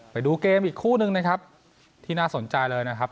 ไปดูเกมอีกคู่นึงนะครับที่น่าสนใจเลยนะครับ